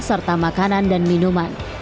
serta makanan dan minuman